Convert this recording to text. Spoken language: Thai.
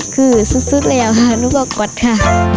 คือซุดแล้วค่ะนุ้งก็กดค่ะ